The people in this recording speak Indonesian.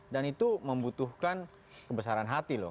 dan itu membutuhkan kebesaran hati loh